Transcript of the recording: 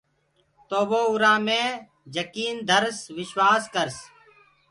تو وو اُرو مي جڪيٚن ڌرس وشواس ڪرس۔